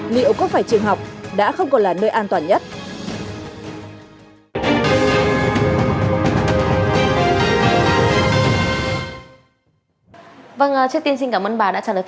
liệu có phải trường học đã không còn là nơi an toàn nhất